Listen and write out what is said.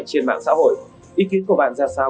trên mạng xã hội ý kiến của bạn ra sao